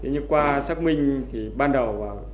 nhưng qua xác minh thì ban đầu